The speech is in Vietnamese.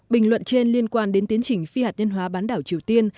bình luận trên liên quan đến tiến trình phi hạt nhân hóa bán đảo triều tiên